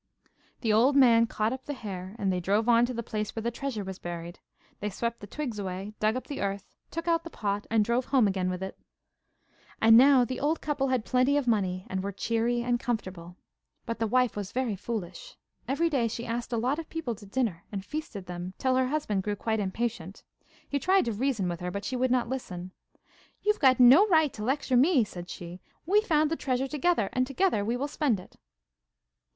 The old man caught up the hare, and they drove on to the place where the treasure was buried. They swept the twigs away, dug up the earth, took out the pot, and drove home again with it. And now the old couple had plenty of money and were cheery and comfortable. But the wife was very foolish. Every day she asked a lot of people to dinner and feasted them, till her husband grew quite impatient. He tried to reason with her, but she would not listen. 'You've got no right to lecture me!' said she. 'We found the treasure together, and together we will spend it.